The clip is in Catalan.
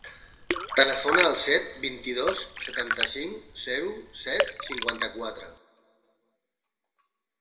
Telefona al set, vint-i-dos, setanta-cinc, zero, set, cinquanta-quatre.